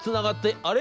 あれ？